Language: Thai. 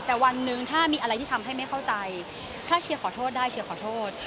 แต่วันหนึ่งถ้ามีอะไรที่ทำให้ไม่เข้าใจถ้าเชียร์ขอโทษได้เชียร์ขอโทษ